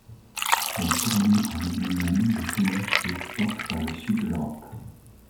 Elle fournit en aluminium le pays, et exporte vers le sud de l’Europe.